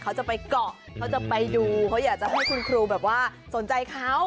เขาจะไปเกาะเขาจะไปดูเขาอยากจะให้คุณครูแบบว่าสนใจเขา